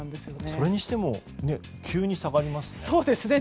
それにしても急に下がりますね。